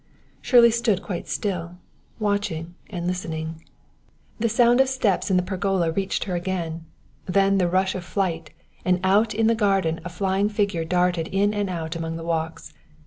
Shirley stood quite still, watching and listening. The sound of steps in the pergola reached her again, then the rush of flight, and out in the garden a flying figure darted in and out among the walks.